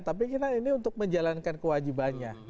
tapi kita ini untuk menjalankan kewajibannya